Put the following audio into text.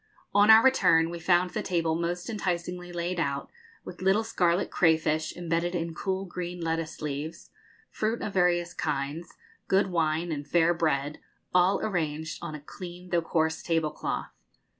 On our return we found the table most enticingly laid out, with little scarlet crayfish, embedded in cool green lettuce leaves, fruit of various kinds, good wine and fair bread, all arranged on a clean though coarse tablecloth.